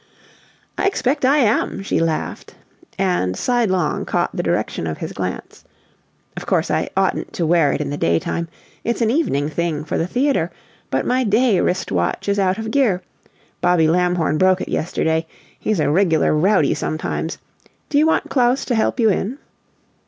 "I expect I am!" she laughed, and sidelong caught the direction of his glance. "Of course I oughtn't to wear it in the daytime it's an evening thing, for the theater but my day wrist watch is out of gear. Bobby Lamhorn broke it yesterday; he's a regular rowdy sometimes. Do you want Claus to help you in?"